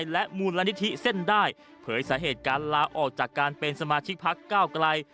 และมูลนิธิเส้นได้เผยสาเหตุการลาออกจากการเป็นสมาชิกพักก้าวไกล